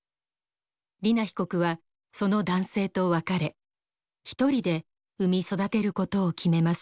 莉菜被告はその男性と別れ一人で産み育てることを決めます。